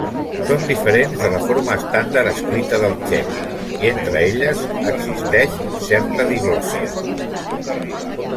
Són diferents de la forma estàndard escrita del txec, i entre elles existeix certa diglòssia.